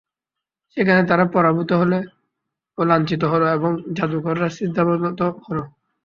সেখানে তারা পরাভূত হল ও লাঞ্ছিত হল এবং জাদুকররা সিজদাবনত হল।